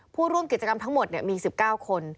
ผู้ร่วมกิจกรรมทั้งหมดมี๑๙คน